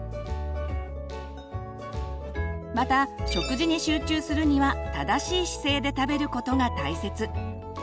また食事に集中するには正しい姿勢で食べることが大切。